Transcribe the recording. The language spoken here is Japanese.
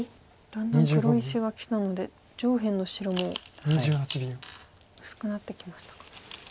だんだん黒石がきたので上辺の白も薄くなってきましたか。